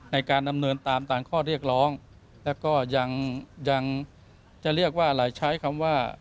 ในการดำเนินตามตามข้อเรียกร้องแล้วก็ยังยังจะเรียกว่าอะไรใช้คำว่า